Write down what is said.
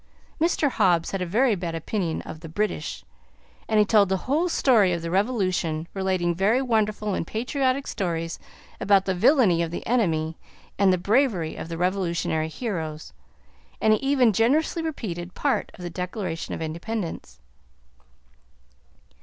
Mr. Hobbs had a very bad opinion of "the British," and he told the whole story of the Revolution, relating very wonderful and patriotic stories about the villainy of the enemy and the bravery of the Revolutionary heroes, and he even generously repeated part of the Declaration of Independence.